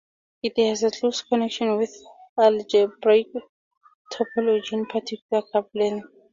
It has a close connection with algebraic topology, in particular cup-length.